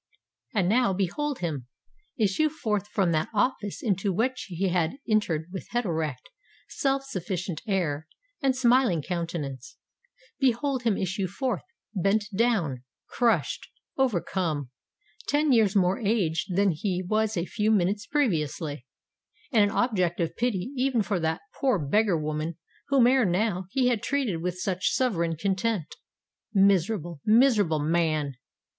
And now, behold him issue forth from that office into which he had entered with head erect, self sufficient air, and smiling countenance:—behold him issue forth—bent down—crushed—overcome—ten years more aged than he was a few minutes previously,—and an object of pity even for that poor beggar woman whom ere now he had treated with such sovereign contempt! Miserable—miserable man!